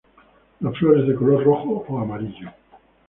Las flores de color rojo o amarillo.